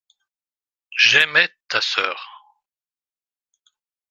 J’aimai ta sœur.